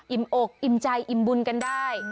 อิมโอกอิมใจอิมบุญกันได้